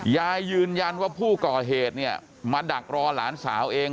ยืนยันว่าผู้ก่อเหตุเนี่ยมาดักรอหลานสาวเอง